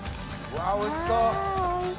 わぁおいしそう！